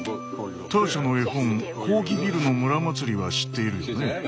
ターシャの絵本「コーギビルの村まつり」は知っているよね。